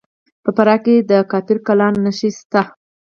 په فراه کې د کافر کلا نښې شته